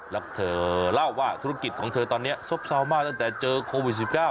แล้วเธอเล่าว่าธุรกิจของเธอตอนนี้ซบเซามากตั้งแต่เจอโควิด๑๙